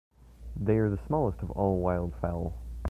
They are the smallest of all wildfowl.